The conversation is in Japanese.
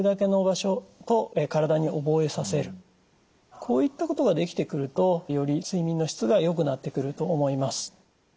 こういったことができてくるとより睡眠の質がよくなってくると思います。